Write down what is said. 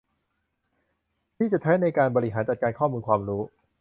ที่จะใช้ในการบริหารจัดการข้อมูลความรู้